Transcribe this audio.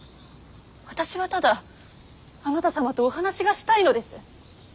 私はただあなた様とお話がしたいのです。